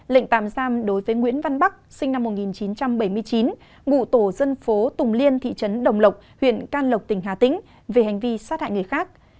lệnh tạm giam đối với nguyễn văn bắc sinh năm một nghìn chín trăm bảy mươi chín ngụ tổ dân phố tùng liên thị trấn đồng lộc huyện can lộc tỉnh hà tĩnh về hành vi sát hại người khác